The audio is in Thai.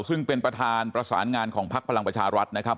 ซึ่งเป็นประธานประสานงานของพักพลังประชารัฐนะครับ